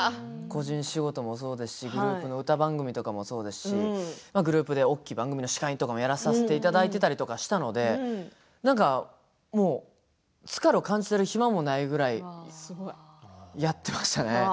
個人仕事もそうですしグループの歌番組とかもそうですしグループで大きい番組の司会とかもやらさせていただいたりしていたので疲れを感じている暇もないくらいやっていましたね。